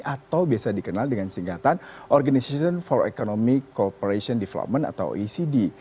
atau biasa dikenal dengan singkatan organization for economic corporation development atau ecd